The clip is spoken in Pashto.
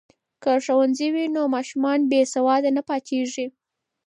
که ښوونځی وي نو ماشومان بې سواده نه پاتیږي.